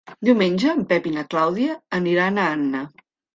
Diumenge en Pep i na Clàudia aniran a Anna.